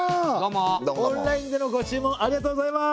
オンラインでのご注文ありがとうございます！